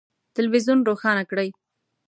تلویزون روښانه کړئ